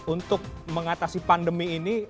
untuk mengatasi pandemi ini